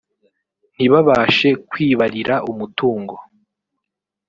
ntibabashe kwibarira umutungo